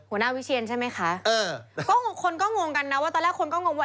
หัวหน้าวิเชียรใช่ไหมคะคนก็งงกันนะว่าตอนแรกคนก็งงว่า